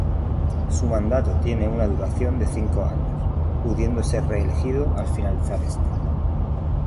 Su mandato tiene una duración de cinco años pudiendo ser reelegido al finalizar este.